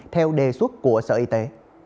theo đề xuất của sở y tế